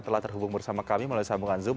telah terhubung bersama kami melalui sambungan zoom